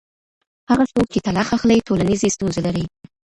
هغه څوک چې طلاق اخلي ټولنیزې ستونزې لري.